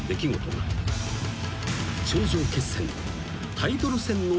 ［頂上決戦］